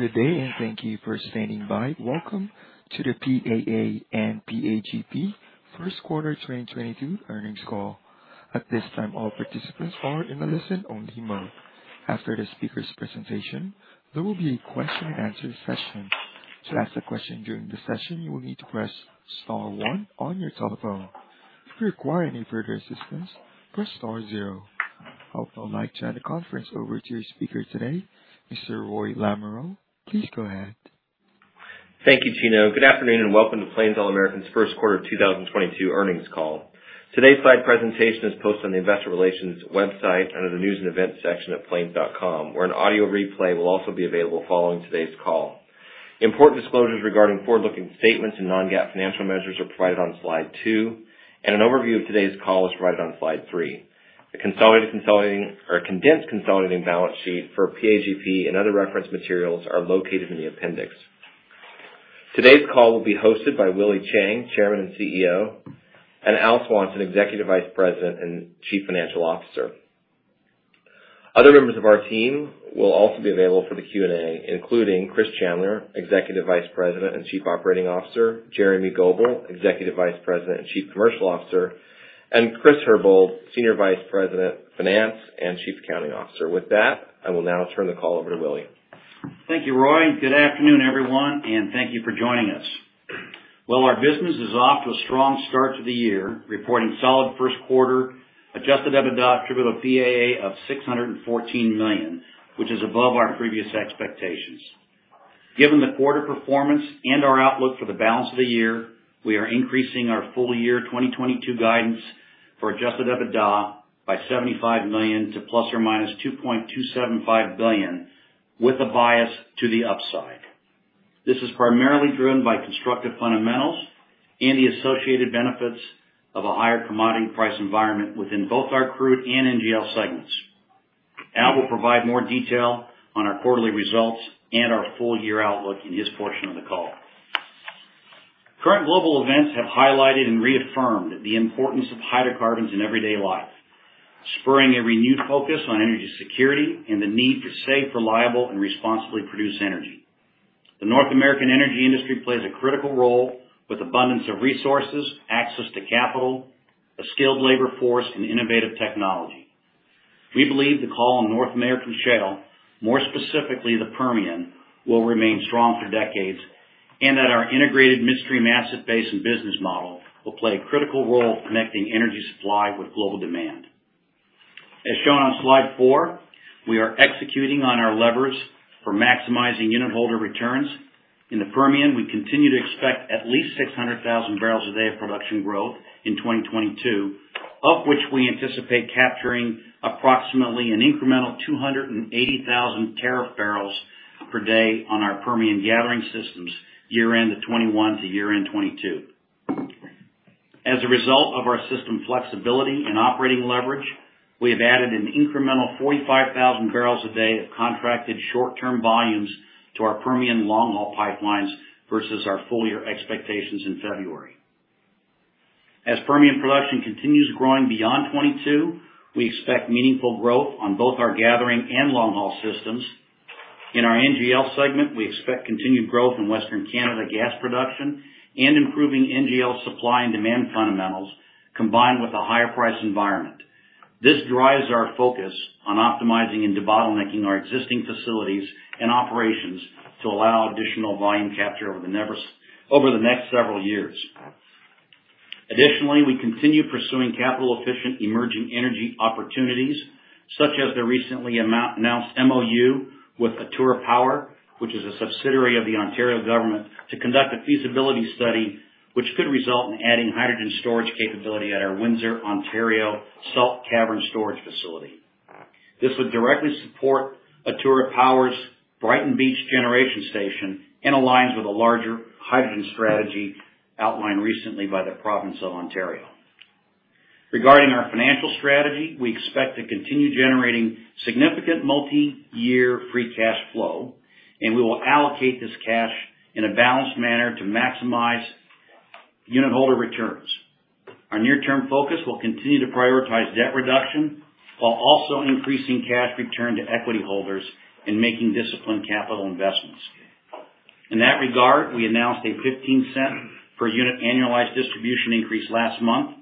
Good day, and thank you for standing by. Welcome to the PAA and PAGP first quarter 2022 earnings call. At this time, all participants are in a listen only mode. After the speaker's presentation, there will be a question and answer session. To ask a question during the session, you will need to press star one on your telephone. If you require any further assistance, press star zero. I would now like to hand the conference over to your speaker today, Mr. Roy Lamoreaux. Please go ahead. Thank you, Tino. Good afternoon, and welcome to Plains All American's first quarter 2022 earnings call. Today's slide presentation is posted on the investor relations website under the News and Events section at plains.com, where an audio replay will also be available following today's call. Important disclosures regarding forward-looking statements and non-GAAP financial measures are provided on slide 2, and an overview of today's call is provided on slide 3. The consolidated, consolidating, or condensed, consolidating balance sheet for PAGP and other reference materials are located in the appendix. Today's call will be hosted by Willie Chiang, Chairman and CEO, and Al Swanson, Executive Vice President and Chief Financial Officer. Other members of our team will also be available for the Q&A, including Chris Chandler, Executive Vice President and Chief Operating Officer, Jeremy Goebel, Executive Vice President and Chief Commercial Officer, and Chris Herbold, Senior Vice President, Finance and Chief Accounting Officer. With that, I will now turn the call over to Willie. Thank you, Roy, and good afternoon, everyone, and thank you for joining us. Well, our business is off to a strong start to the year, reporting solid first quarter Adjusted EBITDA attributable to PAA of $614 million, which is above our previous expectations. Given the quarter performance and our outlook for the balance of the year, we are increasing our full year 2022 guidance for Adjusted EBITDA by $75 million to ±$2.275 billion with a bias to the upside. This is primarily driven by constructive fundamentals and the associated benefits of a higher commodity price environment within both our crude and NGL segments. Al will provide more detail on our quarterly results and our full-year outlook in his portion of the call. Current global events have highlighted and reaffirmed the importance of hydrocarbons in everyday life, spurring a renewed focus on energy security and the need for safe, reliable, and responsibly produced energy. The North American energy industry plays a critical role with abundance of resources, access to capital, a skilled labor force, and innovative technology. We believe the call on North American shale, more specifically the Permian, will remain strong for decades and that our integrated midstream asset base and business model will play a critical role connecting energy supply with global demand. As shown on slide 4, we are executing on our levers for maximizing unit holder returns. In the Permian, we continue to expect at least 600,000 bbl per day of production growth in 2022, of which we anticipate capturing approximately an incremental 280,000 tariff bbl per day on our Permian gathering systems year-end of 2021 to year-end 2022. As a result of our system flexibility and operating leverage, we have added an incremental 45,000 bbl per day of contracted short-term volumes to our Permian long-haul pipelines versus our full-year expectations in February. As Permian production continues growing beyond 2022, we expect meaningful growth on both our gathering and long-haul systems. In our NGL segment, we expect continued growth in western Canada gas production and improving NGL supply and demand fundamentals combined with a higher price environment. This drives our focus on optimizing and debottlenecking our existing facilities and operations to allow additional volume capture over the next several years. Additionally, we continue pursuing capital-efficient emerging energy opportunities, such as the recently announced MOU with Atura Power, which is a subsidiary of the Ontario government, to conduct a feasibility study which could result in adding hydrogen storage capability at our Windsor, Ontario salt cavern storage facility. This would directly support Atura Power's Brighton Beach generation station and aligns with a larger hydrogen strategy outlined recently by the province of Ontario. Regarding our financial strategy, we expect to continue generating significant multiyear free cash flow, and we will allocate this cash in a balanced manner to maximize unit holder returns. Our near-term focus will continue to prioritize debt reduction while also increasing cash return to equity holders and making disciplined capital investments. In that regard, we announced a $0.15 per unit annualized distribution increase last month,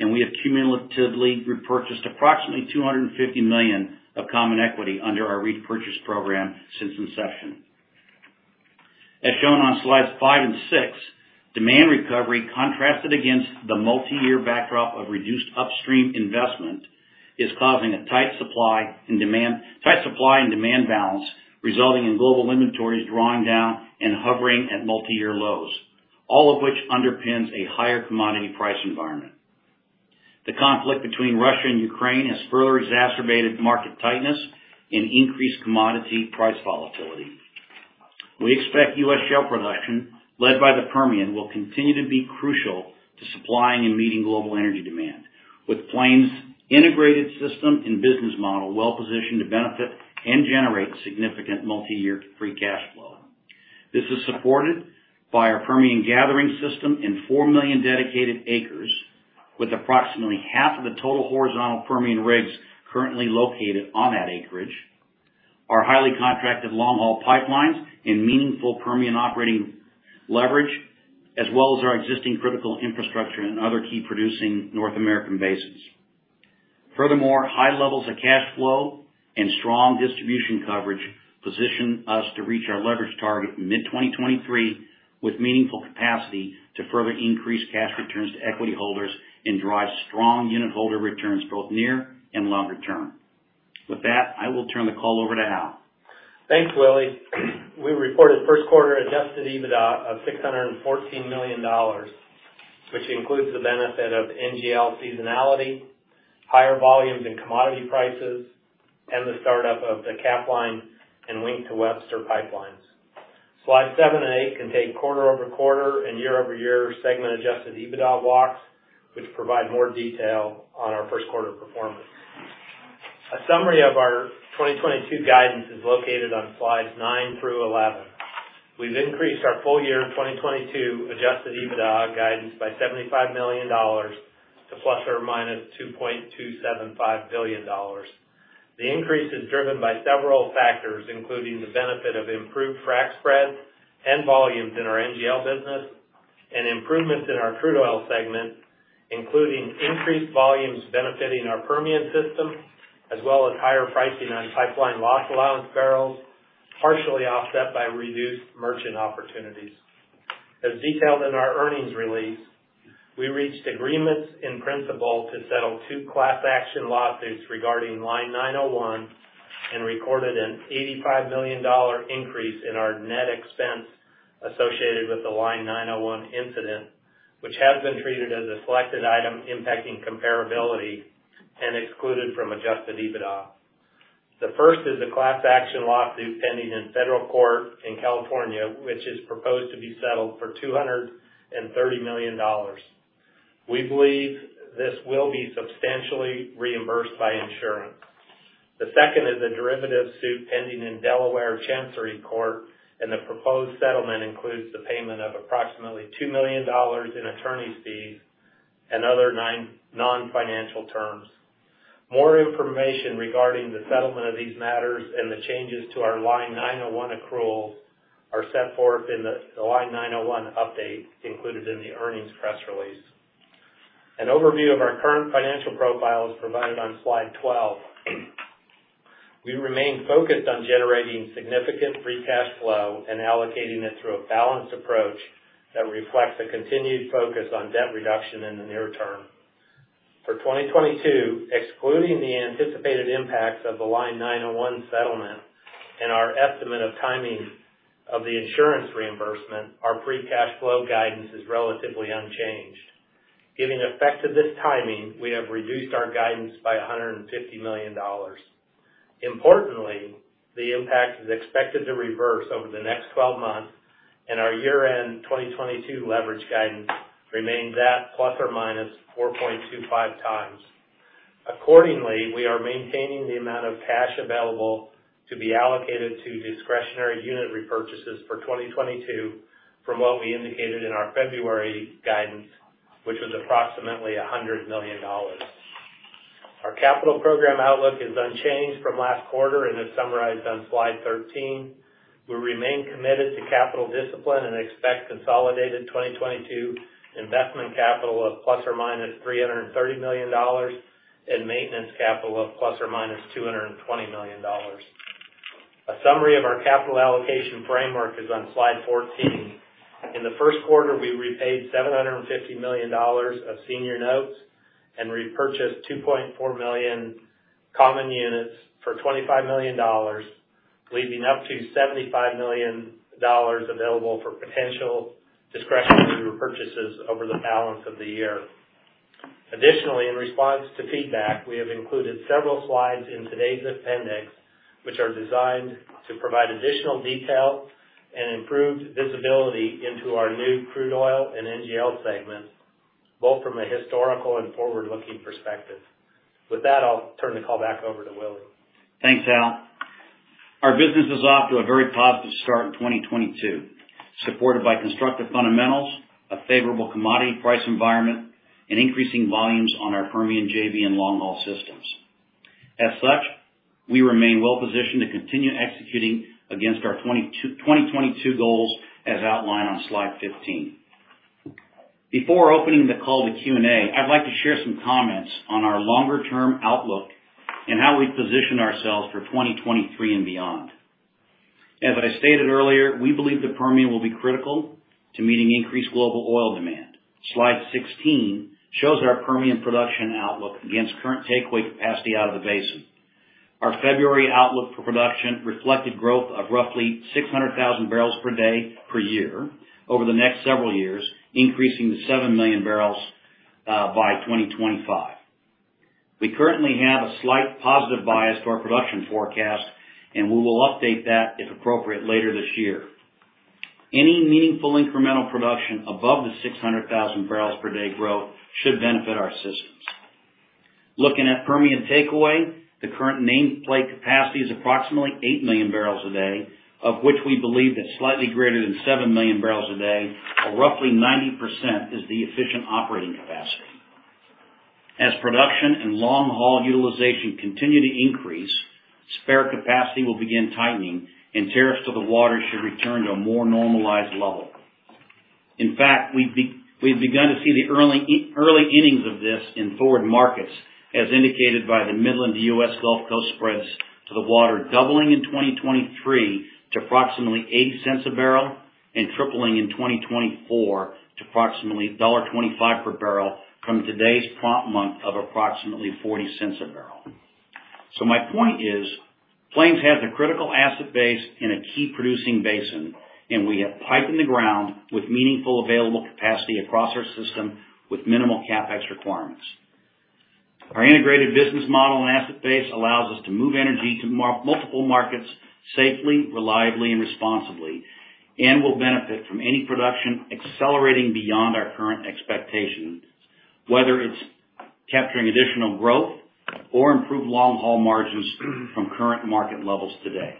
and we have cumulatively repurchased approximately $250 million of common equity under our repurchase program since inception. As shown on slides 5 and 6, demand recovery contrasted against the multi-year backdrop of reduced upstream investment is causing a tight supply and demand balance, resulting in global inventories drawing down and hovering at multi-year lows, all of which underpins a higher commodity price environment. The conflict between Russia and Ukraine has further exacerbated market tightness and increased commodity price volatility. We expect U.S. shale production led by the Permian will continue to be crucial to supplying and meeting global energy demand with Plains' integrated system and business model well positioned to benefit and generate significant multi-year free cash flow. This is supported by our Permian gathering system and 4 million dedicated acres, with approximately half of the total horizontal Permian rigs currently located on that acreage. Our highly contracted long-haul pipelines and meaningful Permian operating leverage, as well as our existing critical infrastructure in other key producing North American bases. Furthermore, high levels of cash flow and strong distribution coverage position us to reach our leverage target in mid-2023, with meaningful capacity to further increase cash returns to equity holders and drive strong unit holder returns both near and longer term. With that, I will turn the call over to Al. Thanks, Willie. We reported first quarter Adjusted EBITDA of $614 million, which includes the benefit of NGL seasonality, higher volumes and commodity prices, and the startup of the Capline and Wink to Webster Pipelines. Slides 7 and 8 contain quarter-over-quarter and year-over-year segment Adjusted EBITDA walks, which provide more detail on our first quarter performance. A summary of our 2022 guidance is located on slides 9 through 11. We've increased our full-year 2022 Adjusted EBITDA guidance by $75 million to ±$2.275 billion. The increase is driven by several factors, including the benefit of improved frac spreads and volumes in our NGL business, and improvements in our crude oil segment, including increased volumes benefiting our Permian system, as well as higher pricing on pipeline loss allowance barrels, partially offset by reduced merchant opportunities. As detailed in our earnings release, we reached agreements in principle to settle two class action lawsuits regarding Line 901 and recorded a $85 million increase in our net expense associated with the Line 901 incident, which has been treated as a special item impacting comparability and excluded from Adjusted EBITDA. The first is a class action lawsuit pending in federal court in California, which is proposed to be settled for $230 million. We believe this will be substantially reimbursed by insurance. The second is a derivative suit pending in Delaware Chancery Court, and the proposed settlement includes the payment of approximately $2 million in attorney's fees and other non-financial terms. More information regarding the settlement of these matters and the changes to our Line 901 accruals are set forth in the Line 901 update included in the earnings press release. An overview of our current financial profile is provided on slide 12. We remain focused on generating significant free cash flow and allocating it through a balanced approach that reflects a continued focus on debt reduction in the near term. For 2022, excluding the anticipated impacts of the Line 901 settlement and our estimate of timing of the insurance reimbursement, our free cash flow guidance is relatively unchanged. Giving effect to this timing, we have reduced our guidance by $150 million. Importantly, the impact is expected to reverse over the next 12 months, and our year-end 2022 leverage guidance remains at ±4.25 times. Accordingly, we are maintaining the amount of cash available to be allocated to discretionary unit repurchases for 2022 from what we indicated in our February guidance, which was approximately $100 million. Our capital program outlook is unchanged from last quarter and is summarized on slide 13. We remain committed to capital discipline and expect consolidated 2022 investment capital of ±$330 million and maintenance capital of ±$220 million. A summary of our capital allocation framework is on slide 14. In the first quarter, we repaid $750 million of senior notes and repurchased 2.4 million common units for $25 million, leaving up to $75 million available for potential discretionary repurchases over the balance of the year. Additionally, in response to feedback, we have included several slides in today's appendix, which are designed to provide additional detail and improved visibility into our new crude oil and NGL segments, both from a historical and forward-looking perspective. With that, I'll turn the call back over to Willie. Thanks, Al. Our business is off to a very positive start in 2022, supported by constructive fundamentals, a favorable commodity price environment, and increasing volumes on our Permian JV and long-haul systems. As such, we remain well positioned to continue executing against our 2022 goals as outlined on slide 15. Before opening the call to Q&A, I'd like to share some comments on our longer term outlook and how we position ourselves for 2023 and beyond. As I stated earlier, we believe that Permian will be critical to meeting increased global oil demand. Slide 16 shows our Permian production outlook against current takeaway capacity out of the basin. Our February outlook for production reflected growth of roughly 600,000 bbl per day per year over the next several years, increasing to 7 million bbl by 2025. We currently have a slight positive bias to our production forecast, and we will update that if appropriate later this year. Any meaningful incremental production above the 600,000 bbl per day growth should benefit our systems. Looking at Permian takeaway, the current mainline capacity is approximately 8 million bbl a day, of which we believe that slightly greater than 7 million bbl a day, or roughly 90% is the efficient operating capacity. As production and long-haul utilization continue to increase, spare capacity will begin tightening and tariffs to the water should return to a more normalized level. In fact, we've begun to see the early innings of this in forward markets, as indicated by the Midland U.S. Gulf Coast spreads to the water doubling in 2023 to approximately $0.08 per bbl and tripling in 2024 to approximately $1.25 per bbl from today's prompt month of approximately $0.40 per bbl. My point is, Plains has a critical asset base in a key producing basin, and we have pipe in the ground with meaningful available capacity across our system with minimal CapEx requirements. Our integrated business model and asset base allows us to move energy to multiple markets safely, reliably, and responsibly, and will benefit from any production accelerating beyond our current expectations, whether it's capturing additional growth or improved long-haul margins from current market levels today.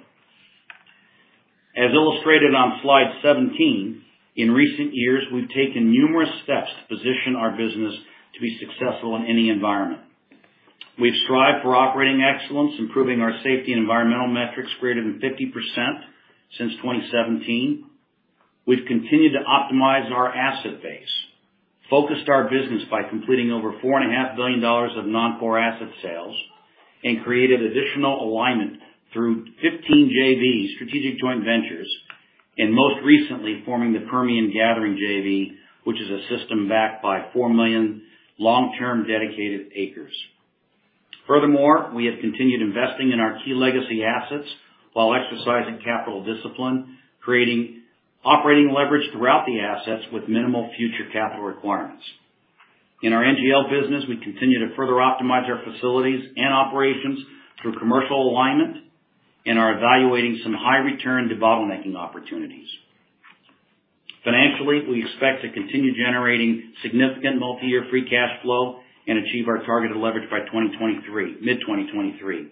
As illustrated on slide 17, in recent years, we've taken numerous steps to position our business to be successful in any environment. We've strived for operating excellence, improving our safety and environmental metrics greater than 50% since 2017. We've continued to optimize our asset base, focused our business by completing over $4.5 billion of non-core asset sales and created additional alignment through 15 JVs, strategic joint ventures, and most recently forming the Permian Gathering JV, which is a system backed by 4 million long-term dedicated acres. Furthermore, we have continued investing in our key legacy assets while exercising capital discipline, creating operating leverage throughout the assets with minimal future capital requirements. In our NGL business, we continue to further optimize our facilities and operations through commercial alignment and are evaluating some high return de-bottlenecking opportunities. Financially, we expect to continue generating significant multi-year free cash flow and achieve our targeted leverage by 2023, mid-2023.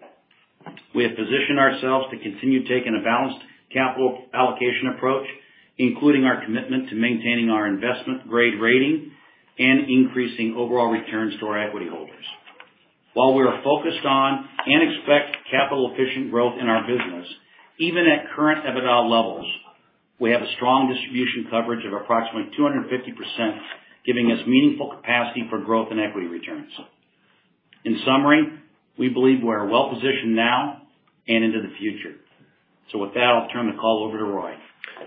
We have positioned ourselves to continue taking a balanced capital allocation approach, including our commitment to maintaining our investment grade rating and increasing overall returns to our equity holders. While we are focused on and expect capital efficient growth in our business, even at current EBITDA levels, we have a strong distribution coverage of approximately 250%, giving us meaningful capacity for growth and equity returns. In summary, we believe we are well positioned now and into the future. With that, I'll turn the call over to Roy.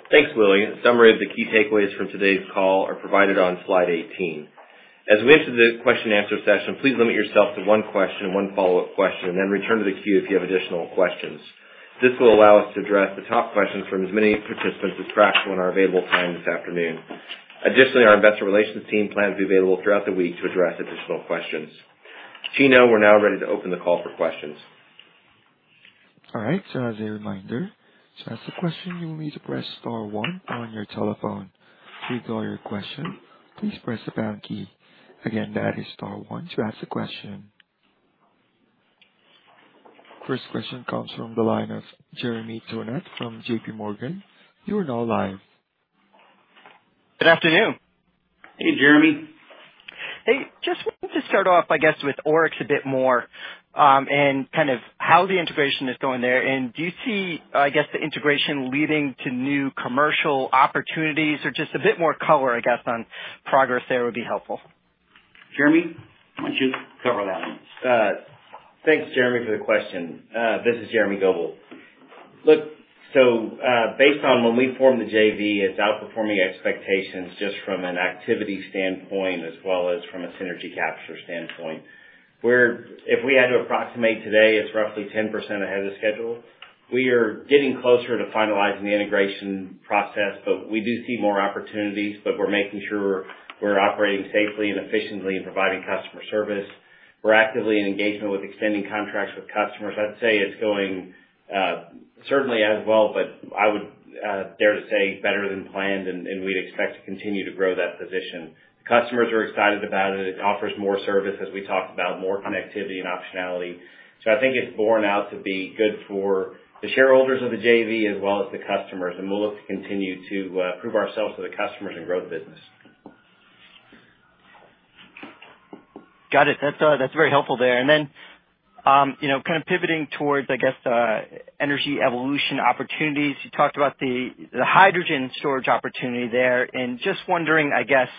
Thanks, Willie. A summary of the key takeaways from today's call are provided on slide 18. As we enter the question and answer session, please limit yourself to one question and one follow-up question, and then return to the queue if you have additional questions. This will allow us to address the top questions from as many participants as practical in our available time this afternoon. Additionally, our investor relations team plans to be available throughout the week to address additional questions. Tino, we're now ready to open the call for questions. All right. As a reminder, to ask a question, you will need to press star one on your telephone. To withdraw your question, please press the pound key. Again, that is star one to ask a question. First question comes from the line of Jeremy Tonet from JPMorgan. You are now live. Good afternoon. Hey, Jeremy. Hey, just wanted to start off, I guess, with Oryx a bit more, and kind of how the integration is going there. Do you see, I guess, the integration leading to new commercial opportunities or just a bit more color, I guess, on progress there would be helpful. Jeremy, why don't you cover that one? Thanks, Jeremy, for the question. This is Jeremy Goebel. Look, so, based on when we formed the JV, it's outperforming expectations just from an activity standpoint as well as from a synergy capture standpoint. If we had to approximate today, it's roughly 10% ahead of schedule. We are getting closer to finalizing the integration process, but we do see more opportunities, but we're making sure we're operating safely and efficiently in providing customer service. We're actively in engagement with extending contracts with customers. I'd say it's going, certainly as well, but I would dare to say better than planned, and we'd expect to continue to grow that position. Customers are excited about it. It offers more service as we talk about more connectivity and optionality. I think it's borne out to be good for the shareholders of the JV as well as the customers, and we'll look to continue to prove ourselves to the customers and grow the business. Got it. That's very helpful there. You know, kind of pivoting towards, I guess, the energy evolution opportunities. You talked about the hydrogen storage opportunity there, and just wondering, I guess,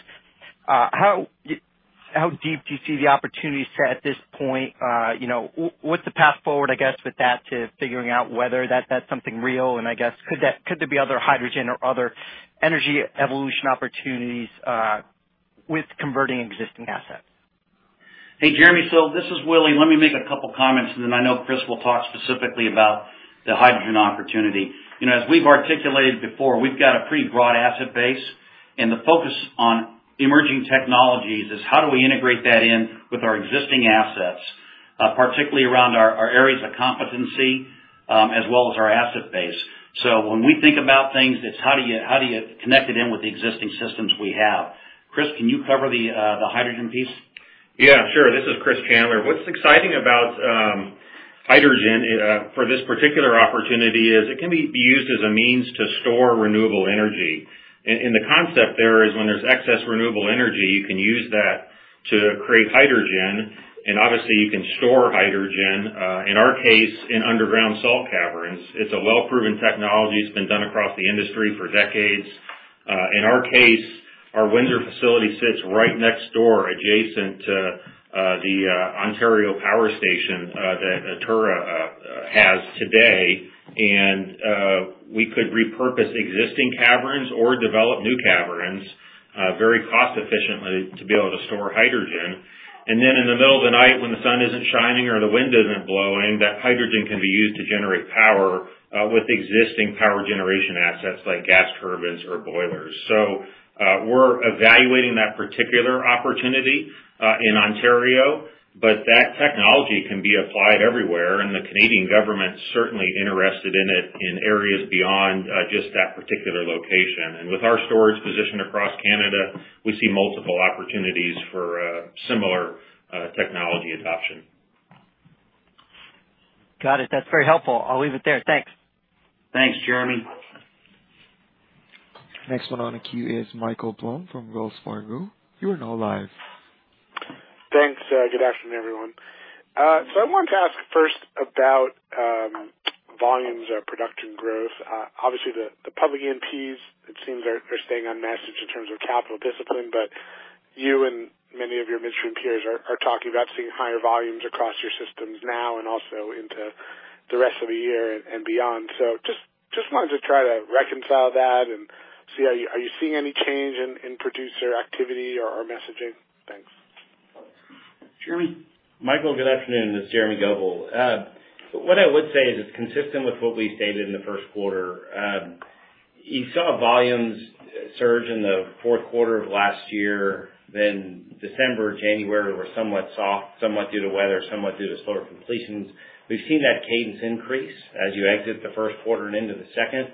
how deep do you see the opportunity set at this point? You know, what's the path forward, I guess, with that to figuring out whether that's something real, and I guess could there be other hydrogen or other energy evolution opportunities, with converting existing assets? Hey, Jeremy. This is Willie. Let me make a couple comments, and then I know Chris will talk specifically about the hydrogen opportunity. You know, as we've articulated before, we've got a pretty broad asset base, and the focus on emerging technologies is how do we integrate that in with our existing assets? Particularly around our areas of competency, as well as our asset base. When we think about things, it's how do you connect it in with the existing systems we have? Chris, can you cover the hydrogen piece? Yeah, sure. This is Chris Chandler. What's exciting about hydrogen for this particular opportunity is it can be used as a means to store renewable energy. And the concept there is when there's excess renewable energy, you can use that to create hydrogen, and obviously you can store hydrogen, in our case, in underground salt caverns. It's a well-proven technology. It's been done across the industry for decades. In our case, our Windsor facility sits right next door adjacent to the Ontario Power Generation that Atura has today. We could repurpose existing caverns or develop new caverns very cost-efficiently to be able to store hydrogen. Then in the middle of the night when the sun isn't shining or the wind isn't blowing, that hydrogen can be used to generate power with existing power generation assets like gas turbines or boilers. We're evaluating that particular opportunity in Ontario, but that technology can be applied everywhere, and the Canadian government's certainly interested in it in areas beyond just that particular location. With our storage position across Canada, we see multiple opportunities for similar technology adoption. Got it. That's very helpful. I'll leave it there. Thanks. Thanks, Jeremy. Next one on the queue is Michael Blum from Wells Fargo. You are now live. Thanks. Good afternoon, everyone. I wanted to ask first about volumes or production growth. Obviously the public E&Ps, it seems are staying on message in terms of capital discipline, but you and many of your midstream peers are talking about seeing higher volumes across your systems now and also into the rest of the year and beyond. Just wanted to try to reconcile that and see are you seeing any change in producer activity or messaging? Thanks. Jeremy. Michael, good afternoon. This is Jeremy Goebel. What I would say is it's consistent with what we stated in the first quarter. You saw volumes surge in the fourth quarter of last year, then December, January were somewhat soft, somewhat due to weather, somewhat due to solar completions. We've seen that cadence increase as you exit the first quarter and into the second,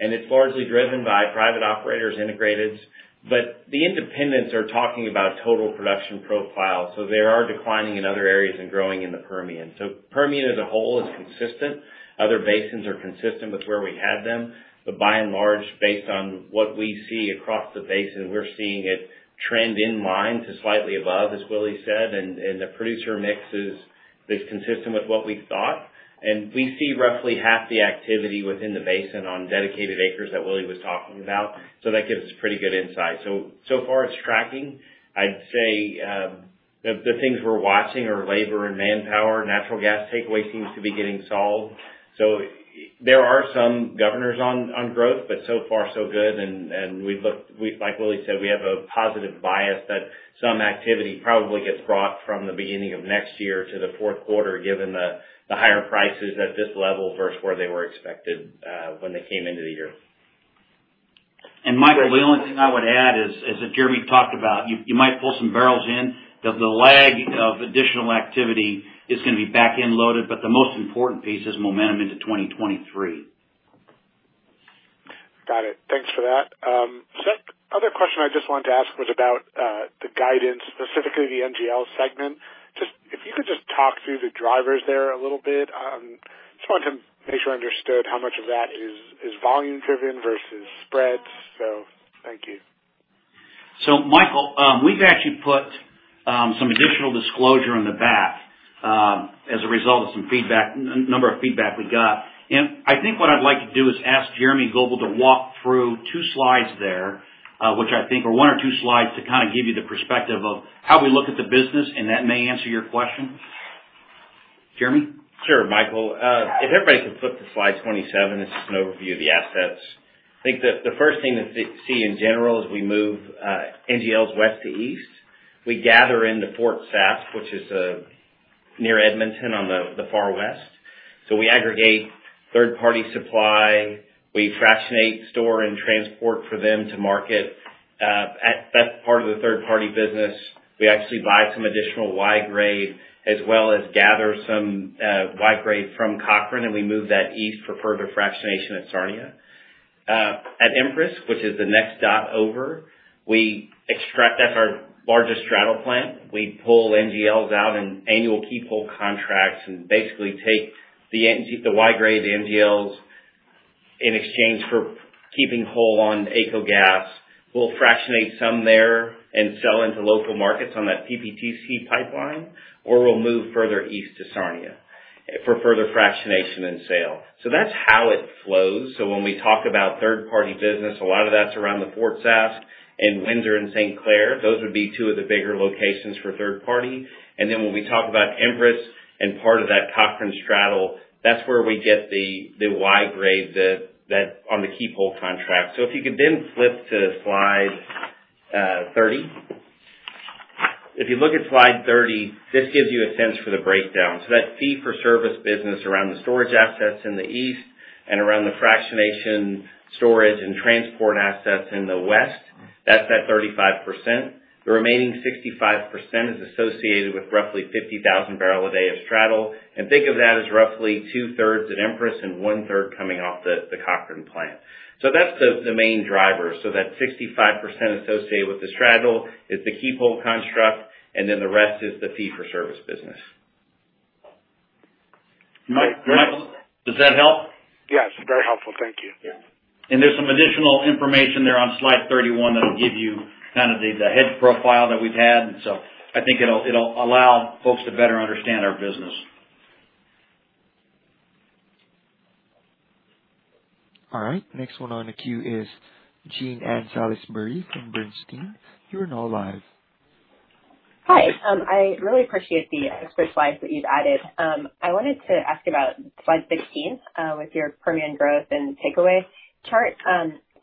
and it's largely driven by private operators integrated. The independents are talking about total production profile, so they are declining in other areas and growing in the Permian. Permian as a whole is consistent. Other basins are consistent with where we had them. By and large, based on what we see across the basin, we're seeing it trend in line to slightly above, as Willie said, and the producer mix is consistent with what we thought. We see roughly half the activity within the basin on dedicated acres that Willie was talking about. That gives us pretty good insight. So far it's tracking. I'd say the things we're watching are labor and manpower. Natural gas takeaway seems to be getting solved. There are some governors on growth, but so far so good. Like Willie said, we have a positive bias that some activity probably gets brought from the beginning of next year to the fourth quarter, given the higher prices at this level versus where they were expected when they came into the year. Michael, the only thing I would add is that Jeremy talked about you might pull some barrels in. The lag of additional activity is gonna be back-end loaded, but the most important piece is momentum into 2023. Got it. Thanks for that. Other question I just wanted to ask was about the guidance, specifically the NGL segment. Just if you could just talk through the drivers there a little bit. Just wanted to make sure I understood how much of that is volume driven versus spreads. Thank you. Michael, we've actually put some additional disclosure in the back, as a result of some feedback, number of feedback we got. I think what I'd like to do is ask Jeremy Goebel to walk through two slides there, which I think are one or two slides to kind of give you the perspective of how we look at the business, and that may answer your question. Jeremy? Sure, Michael. If everybody could flip to slide 27, it's just an overview of the assets. I think the first thing that they see in general as we move NGLs west to east, we gather into Fort Sask, which is near Edmonton on the far west. We aggregate third-party supply. We fractionate, store, and transport for them to market. That's part of the third-party business. We actually buy some additional Y-grade as well as gather some Y-grade from Cochrane, and we move that east for further fractionation at Sarnia. At Empress, which is the next dot over, we extract. That's our largest straddle plant. We pull NGLs out in annual keep whole contracts and basically take the Y-grade, the NGLs in exchange for keeping whole on AECO gas. We'll fractionate some there and sell into local markets on that PTC pipeline, or we'll move further east to Sarnia for further fractionation and sale. That's how it flows. When we talk about third-party business, a lot of that's around the Fort Sask and Windsor and St. Clair. Those would be two of the bigger locations for third party. Then when we talk about Empress and part of that Cochrane straddle, that's where we get the Y-grade that on the keep whole contract. If you could then flip to slide 30. If you look at slide 30, this gives you a sense for the breakdown. That fee for service business around the storage assets in the east and around the fractionation storage and transport assets in the west. That's at 35%. The remaining 65% is associated with roughly 50,000 bbl a day of straddle. Think of that as roughly two-thirds at Empress and one-third coming off the Cochrane plant. That's the main driver. That 65% associated with the straddle is the key toll construct, and then the rest is the fee-for-service business. Mike, does that help? Yes, very helpful. Thank you. Yeah. There's some additional information there on slide 31 that'll give you kind of the head profile that we've had. I think it'll allow folks to better understand our business. All right, next one on the queue is Jean Ann Salisbury from Bernstein. You are now live. Hi. I really appreciate the extra slides that you've added. I wanted to ask about slide 15, with your Permian growth and takeaway chart.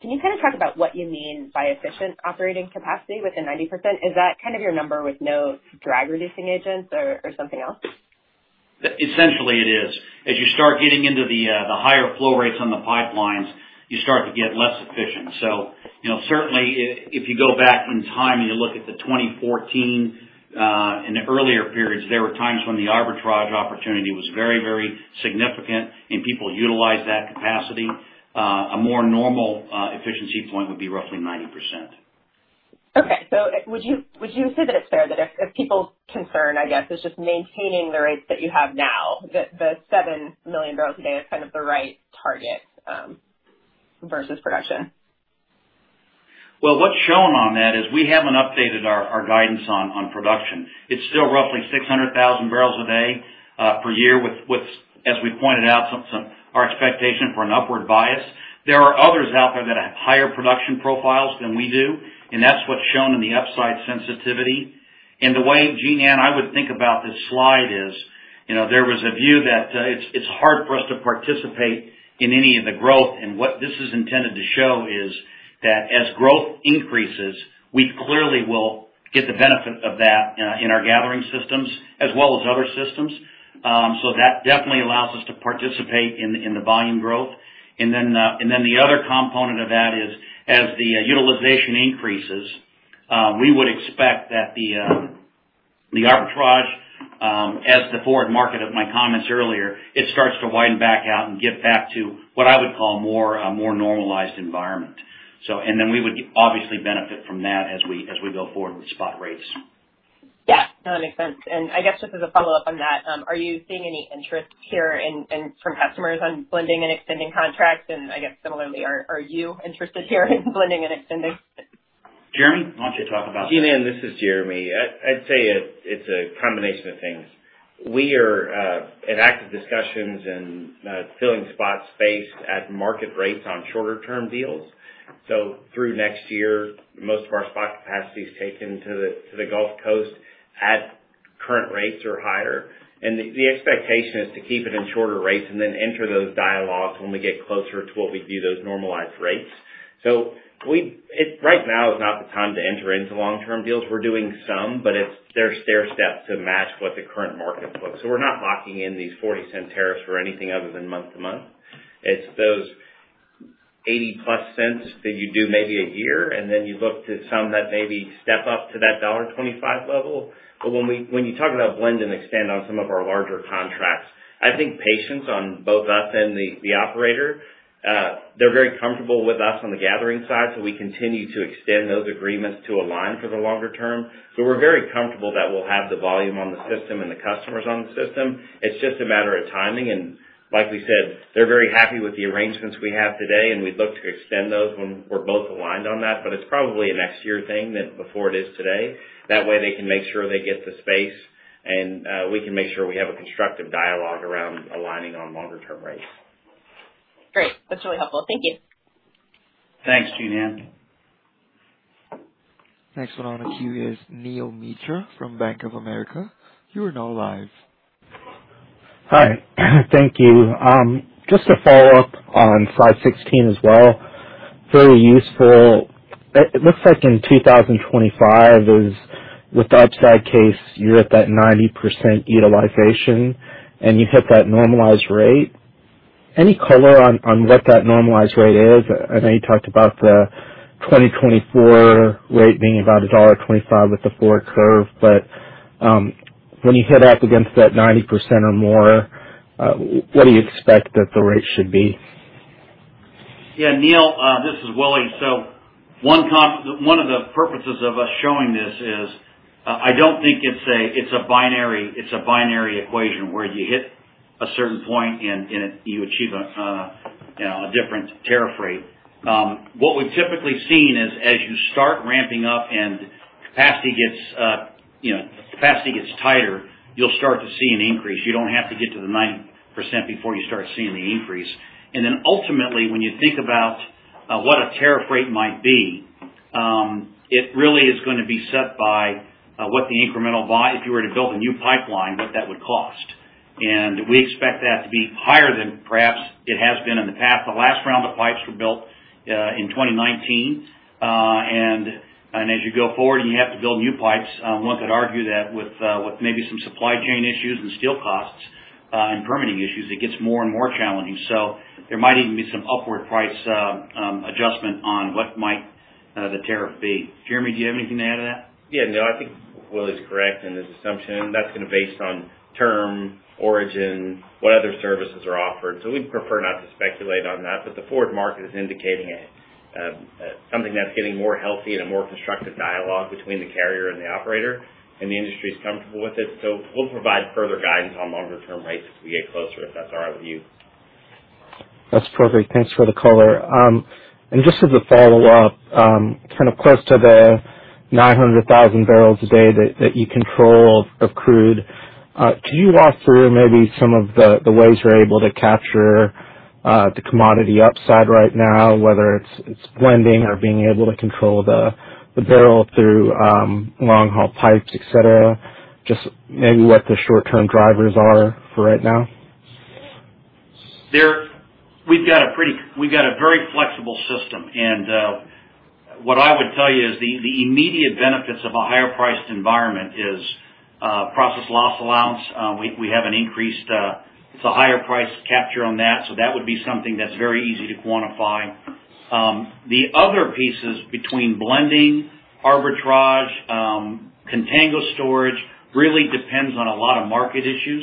Can you kind of talk about what you mean by efficient operating capacity with the 90%? Is that kind of your number with no drag reducing agents or something else? Essentially, it is. As you start getting into the higher flow rates on the pipelines, you start to get less efficient. You know, certainly if you go back in time and you look at the 2014 and the earlier periods, there were times when the arbitrage opportunity was very, very significant and people utilized that capacity. A more normal efficiency point would be roughly 90%. Okay. Would you say that it's fair that if people's concern, I guess, is just maintaining the rates that you have now, the 7 million bbl a day is kind of the right target versus production? Well, what's shown on that is we haven't updated our guidance on production. It's still roughly 600,000 bbl a day per year with, as we pointed out, some our expectation for an upward bias. There are others out there that have higher production profiles than we do, and that's what's shown in the upside sensitivity. The way, Jean Ann, I would think about this slide is, you know, there was a view that it's hard for us to participate in any of the growth. What this is intended to show is that as growth increases, we clearly will get the benefit of that in our gathering systems as well as other systems. That definitely allows us to participate in the volume growth. The other component of that is, as the utilization increases, we would expect that the arbitrage, as the forward market of my comments earlier, it starts to widen back out and get back to what I would call a more normalized environment. We would obviously benefit from that as we go forward with spot rates. Yeah, no, that makes sense. I guess just as a follow-up on that, are you seeing any interest here in from customers on blending and extending contracts? I guess similarly, are you interested here in blending and extending? Jeremy, why don't you talk about that. Jean Ann, this is Jeremy. I'd say it's a combination of things. We are in active discussions and filling spot space at market rates on shorter-term deals. Through next year, most of our spot capacity is taken to the Gulf Coast at current rates or higher. The expectation is to keep it in shorter rates and then enter those dialogues when we get closer to what we view those normalized rates. Right now is not the time to enter into long-term deals. We're doing some, but they're stairsteps to match what the current market looks. We're not locking in these $0.40 tariffs for anything other than month-to-month. It's those 80+ cents that you do maybe a year, and then you look to some that maybe step up to that $1.25 level. When you talk about blend and extend on some of our larger contracts, I think patience on both us and the operator, they're very comfortable with us on the gathering side, so we continue to extend those agreements to align for the longer term. We're very comfortable that we'll have the volume on the system and the customers on the system. It's just a matter of timing. Like we said, they're very happy with the arrangements we have today, and we'd look to extend those when we're both aligned on that. It's probably a next year thing than before it is today. That way they can make sure they get the space and we can make sure we have a constructive dialogue around aligning on longer term rates. Great. That's really helpful. Thank you. Thanks, Jean Ann. Next one on the queue is Neel Mitra from Bank of America. You are now live. Hi. Thank you. Just to follow up on slide 16 as well, very useful. It looks like in 2025 is with the upside case, you're at that 90% utilization and you hit that normalized rate. Any color on what that normalized rate is? I know you talked about the 2024 rate being about $1.25 with the forward curve, but when you hit up against that 90% or more, what do you expect that the rate should be? Yeah. Neel, this is Willie. One of the purposes of us showing this is, I don't think it's a binary equation where you hit a certain point and you achieve a you know a different tariff rate. What we've typically seen is as you start ramping up and capacity gets you know tighter, you'll start to see an increase. You don't have to get to the 9% before you start seeing the increase. Ultimately, when you think about what a tariff rate might be, it really is gonna be set by what the incremental build, if you were to build a new pipeline, what that would cost. We expect that to be higher than perhaps it has been in the past. The last round of pipes were built in 2019. As you go forward and you have to build new pipes, one could argue that with maybe some supply chain issues and steel costs and permitting issues, it gets more and more challenging. There might even be some upward price adjustment on what might the tariff be. Jeremy, do you have anything to add to that? Yeah, no, I think Willie's correct in his assumption. That's gonna be based on term, origin, what other services are offered. We'd prefer not to speculate on that, but the forward market is indicating it, something that's getting more healthy and a more constructive dialogue between the carrier and the operator, and the industry's comfortable with it. We'll provide further guidance on longer-term rates as we get closer, if that's all right with you. That's perfect. Thanks for the color. Just as a follow-up, kind of close to the 900,000 bbl a day that you control of crude. Could you walk through maybe some of the ways you're able to capture the commodity upside right now, whether it's blending or being able to control the barrel through long-haul pipes, et cetera? Just maybe what the short-term drivers are for right now. We've got a very flexible system. What I would tell you is the immediate benefits of a higher priced environment is pipeline loss allowance. We have an increased. It's a higher price capture on that, so that would be something that's very easy to quantify. The other pieces between blending, arbitrage, contango storage, really depends on a lot of market issues.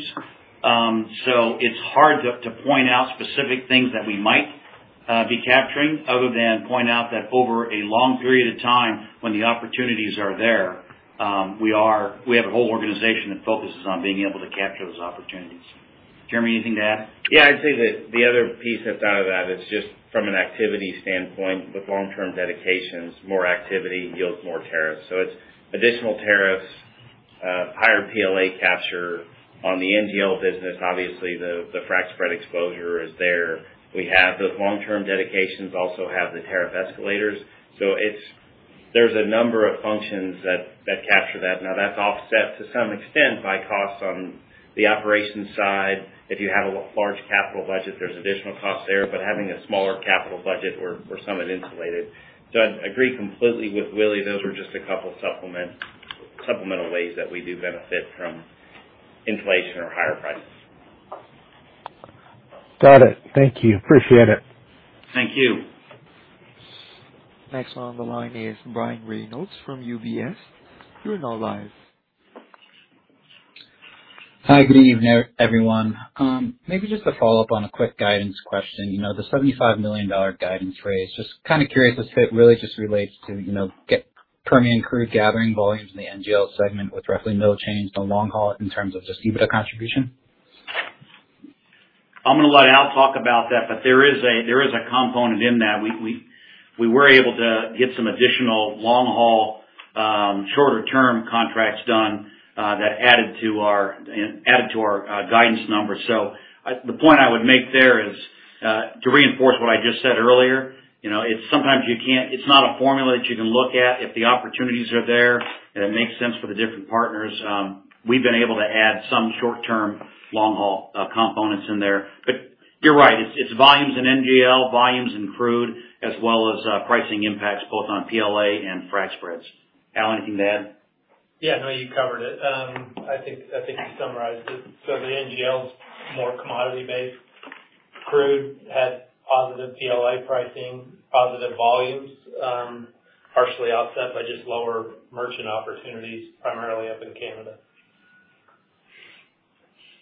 It's hard to point out specific things that we might be capturing other than point out that over a long period of time when the opportunities are there, we have a whole organization that focuses on being able to capture those opportunities. Jeremy, anything to add? Yeah, I'd say that the other piece that's out of that is just from an activity standpoint with long-term dedications, more activity yields more tariffs. It's additional tariffs, higher PLA capture on the NGL business. Obviously, the frac spread exposure is there. We have those long-term dedications, also have the tariff escalators. So it's there a number of functions that capture that. Now, that's offset to some extent by costs on the operations side. If you have a large capital budget, there's additional costs there, but having a smaller capital budget or some is insulated. So I agree completely with Willie. Those were just a couple supplemental ways that we do benefit from inflation or higher prices. Got it. Thank you. Appreciate it. Thank you. Next on the line is Brian Reynolds from UBS. You're now live. Hi, good evening, everyone. Maybe just to follow up on a quick guidance question. You know, the $75 million guidance raise, just kind of curious if it really just relates to, you know, the Permian crude gathering volumes in the NGL segment with roughly no change on long-haul in terms of the EBITDA contribution. I'm gonna let Al talk about that, but there is a component in that. We were able to get some additional long-haul shorter-term contracts done that added to our guidance numbers. The point I would make there is to reinforce what I just said earlier. You know, it's sometimes you can't. It's not a formula that you can look at. If the opportunities are there and it makes sense for the different partners, we've been able to add some short-term long-haul components in there. But you're right, it's volumes in NGL, volumes in crude, as well as pricing impacts both on PLA and frac spreads. Al, anything to add? Yeah. No, you covered it. I think you summarized it. The NGL is more commodity-based. Crude had positive PLA pricing, positive volumes, partially offset by just lower merchant opportunities primarily up in Canada.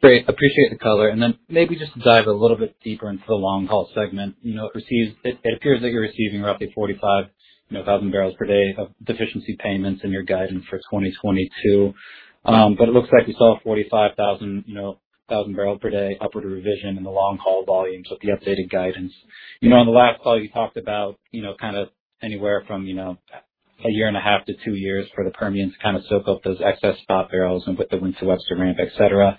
Great. Appreciate the color. Maybe just dive a little bit deeper into the long-haul segment. You know, it appears that you're receiving roughly 45,000 bbl per day of deficiency payments in your guidance for 2022. But it looks like you saw a 45,000 bbl per day upward revision in the long-haul volumes with the updated guidance. You know, on the last call, you talked about, you know, kind of anywhere from, you know, a year and a half to two years for the Permian to kind of soak up those excess spot barrels and with the Wink to Webster ramp, et cetera.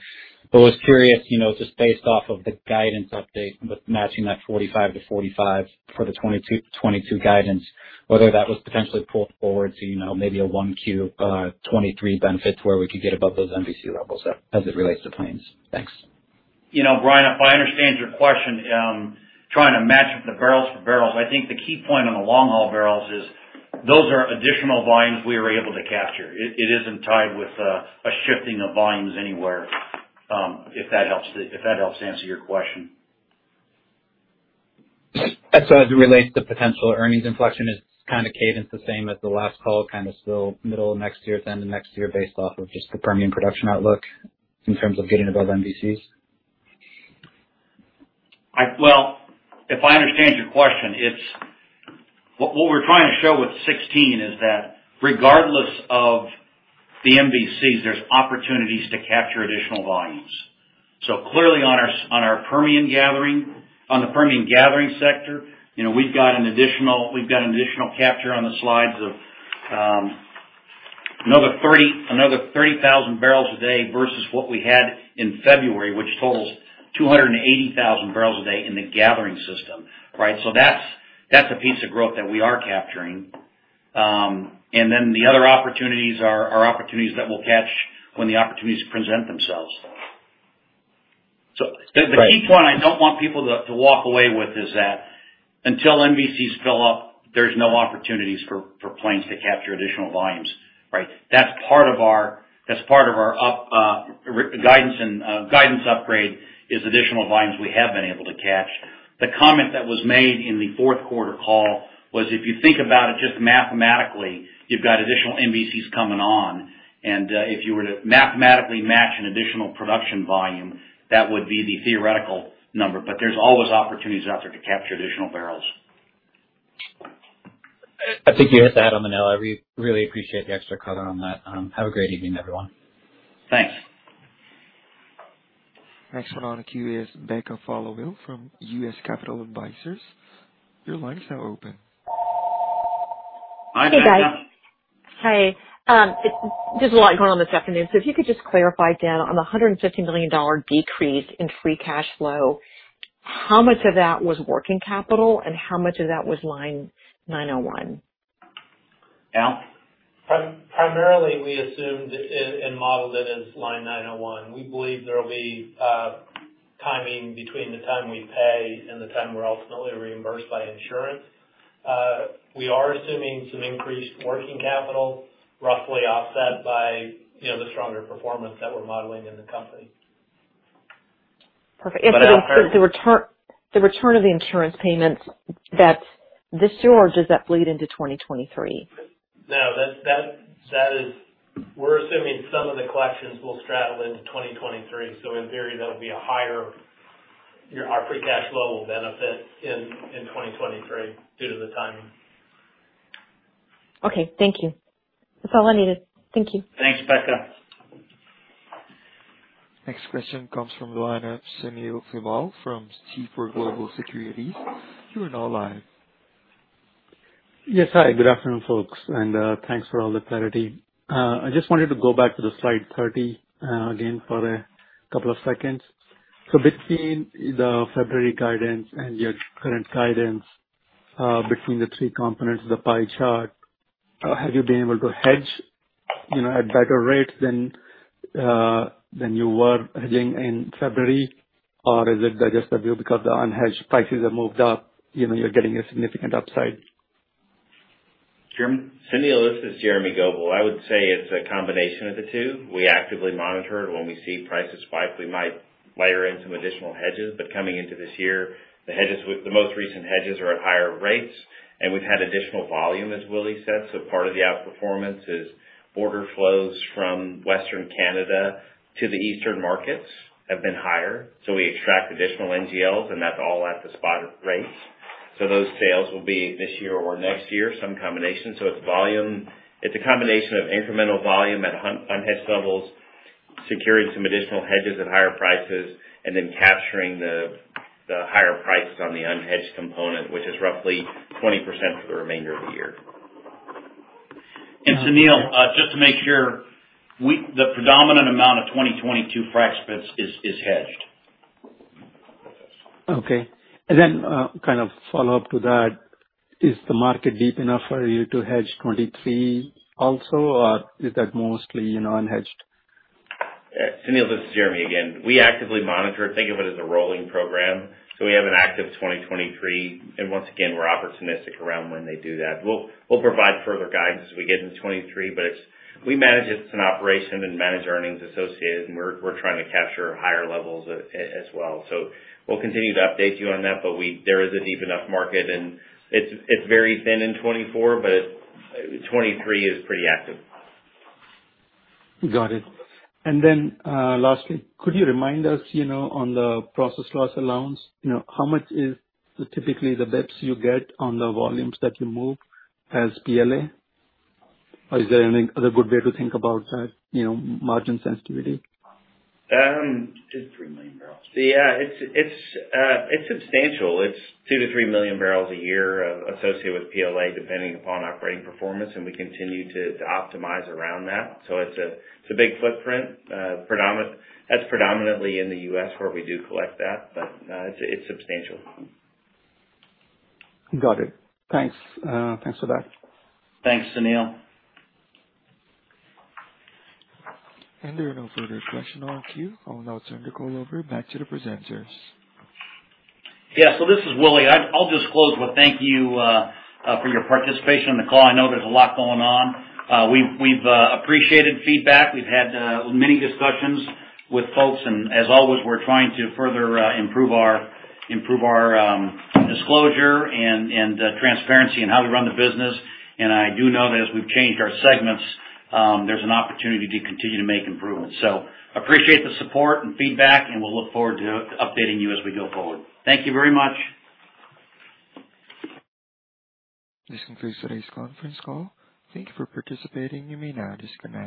I was curious, you know, just based off of the guidance update with matching that 45-45 for the 2022 guidance, whether that was potentially pulled forward to, you know, maybe a 1Q 2023 benefit where we could get above those MVC levels as it relates to Plains. Thanks. You know, Brian, if I understand your question, trying to match up the barrels for barrels. I think the key point on the long-haul barrels is those are additional volumes we were able to capture. It isn't tied with a shifting of volumes anywhere, if that helps answer your question. As it relates to potential earnings inflection, is kind of cadence the same as the last call, kind of still middle of next year, end of next year based off of just the Permian production outlook in terms of getting above MVCs? Well, if I understand your question, it's what we're trying to show with 16 is that regardless of the MVCs, there's opportunities to capture additional volumes. Clearly on our Permian gathering sector, you know, we've got an additional capture on the slides of another 30,000 bbl a day versus what we had in February, which totals 280,000 bbl a day in the gathering system, right? That's a piece of growth that we are capturing. Then the other opportunities are opportunities that we'll catch when the opportunities present themselves. The key point I don't want people to walk away with is that until MVCs fill up, there's no opportunities for Plains to capture additional volumes, right? That's part of our guidance and guidance upgrade is additional volumes we have been able to catch. The comment that was made in the fourth quarter call was, if you think about it just mathematically, you've got additional MVCs coming on, and if you were to mathematically match an additional production volume, that would be the theoretical number. There's always opportunities out there to capture additional barrels. I think you heard that, Manella. We really appreciate the extra color on that. Have a great evening, everyone. Thanks. Next one on the queue is Becca Followill from U.S. Capital Advisors. Your line is now open. Hi, Becca. Hey, guys. Hey. There's a lot going on this afternoon. If you could just clarify, Dan, on the $150 million decrease in free cash flow, how much of that was working capital and how much of that was Line 901? Al? Primarily, we assumed and modeled it as Line 901. We believe there will be timing between the time we pay and the time we're ultimately reimbursed by insurance. We are assuming some increased working capital, roughly offset by, you know, the stronger performance that we're modeling in the company. Perfect. The return of the insurance payments that's this year, or does that bleed into 2023? No. That is. We're assuming some of the collections will straddle into 2023, so in theory that would be a higher. Our free cash flow will benefit in 2023 due to the timing. Okay, thank you. That's all I needed. Thank you. Thanks, Becca. Next question comes from the line of Sunil Sibal from Seaport Global Securities. You are now live. Yes. Hi, good afternoon, folks, and thanks for all the clarity. I just wanted to go back to the slide 30 again for a couple of seconds. Between the February guidance and your current guidance, between the three components of the pie chart, have you been able to hedge, you know, at better rates than than you were hedging in February? Or is it just that because the unhedged prices have moved up, you know, you're getting a significant upside? Jeremy? Sunil, this is Jeremy Goebel. I would say it's a combination of the two. We actively monitor, and when we see prices spike, we might layer in some additional hedges. Coming into this year, the hedges with the most recent hedges are at higher rates, and we've had additional volume, as Willie said. Part of the outperformance is border flows from Western Canada to the eastern markets have been higher, so we extract additional NGLs, and that's all at the spot rates. Those sales will be this year or next year, some combination. It's volume. It's a combination of incremental volume at unhedged levels, securing some additional hedges at higher prices, and then capturing the higher prices on the unhedged component, which is roughly 20% for the remainder of the year. Sunil, just to make sure, the predominant amount of 2022 frac spreads is hedged. Okay. Kind of follow-up to that, is the market deep enough for you to hedge 2023 also, or is that mostly, you know, unhedged? Sunil, this is Jeremy again. We actively monitor it. Think of it as a rolling program. We have an active 2023, and once again, we're opportunistic around when they do that. We'll provide further guidance as we get into 2023. It's. We manage it. It's an operation and manage earnings associated, and we're trying to capture higher levels as well. We'll continue to update you on that. There is a deep enough market, and it's very thin in 2024, but 2023 is pretty active. Got it. Lastly, could you remind us, you know, on the pipeline loss allowance, you know, how much is typically the bits you get on the volumes that you move as PLA? Or is there any other good way to think about that, you know, margin sensitivity? 2-3 million bbl. Yeah. It's substantial. It's 2-3 million bbl a year associated with PLA, depending upon operating performance, and we continue to optimize around that. It's a big footprint. That's predominantly in the U.S. where we do collect that. It's substantial. Got it. Thanks. Thanks for that. Thanks, Sunil. There are no further questions in the queue. I will now turn the call back over to the presenters. Yeah. This is Willie. I'll just close with thank you for your participation on the call. I know there's a lot going on. We've appreciated feedback. We've had many discussions with folks, and as always, we're trying to further improve our disclosure and transparency in how we run the business. I do know that as we've changed our segments, there's an opportunity to continue to make improvements. Appreciate the support and feedback, and we'll look forward to updating you as we go forward. Thank you very much. This concludes today's conference call. Thank you for participating. You may now disconnect.